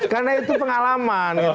karena itu pengalaman